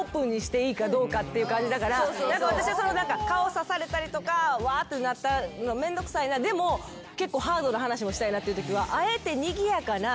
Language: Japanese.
私は顔さされたりとかわってなったらめんどくさいなでも結構ハードな話もしたいなっていうときは。